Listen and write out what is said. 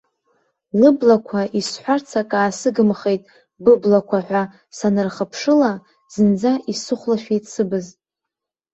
Лыблақәа исҳәарц акы аасыгымхеит быблақәа ҳәа санырхыԥшыла, зынӡа исыхәлашәеит сыбз.